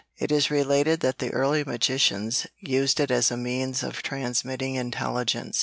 It is related that the early magicians used it as a means of transmitting intelligence.